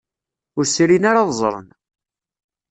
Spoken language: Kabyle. Ur srin ara ad ẓren.